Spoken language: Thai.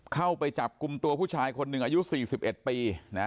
เข้าไปจับกลุ่มตัวผู้ชายคนหนึ่งอายุ๔๑ปี